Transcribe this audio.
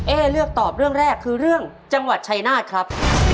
เลือกตอบเรื่องแรกคือเรื่องจังหวัดชายนาฏครับ